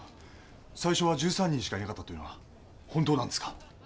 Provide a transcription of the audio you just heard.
最初は１３人しかいなかったっていうのは本当なんですか？